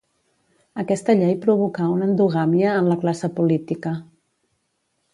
Aquesta llei provocà una endogàmia en la classe política.